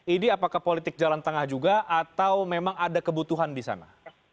ini apakah politik jalan tengah juga atau memang ada kebutuhan di sana